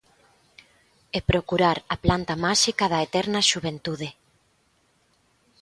E procurar a planta máxica da eterna xuventude.